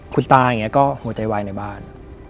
คุณตายังนี้ก็หัวใจไวในบ้าน